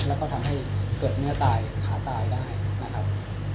แล้วก็ทำให้เกิดเนื้อตายขาตายได้นะครับ